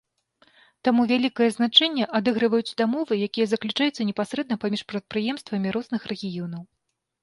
Таму вялікае значэнне адыгрываюць дамовы, якія заключаюцца непасрэдна паміж прадпрыемствамі розных рэгіёнаў.